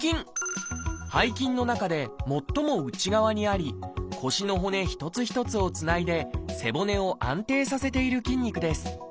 背筋の中で最も内側にあり腰の骨一つ一つをつないで背骨を安定させている筋肉です。